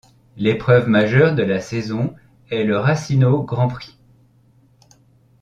L'épreuve majeure de la saison est le Racino Grand Prix.